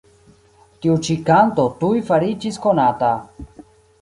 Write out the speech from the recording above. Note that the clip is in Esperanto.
Tiu ĉi kanto tuj fariĝis konata.